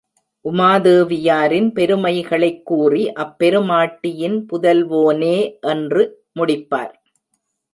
உமாதேவியாரின் பெருமைகளைக் கூறி அப்பெருமாட்டியின் புதல்வோனே என்று முடிப்பார்.